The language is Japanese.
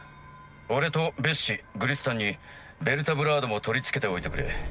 俺とベッシグリスタンにベルタ・ブラードも取り付けておいてくれ。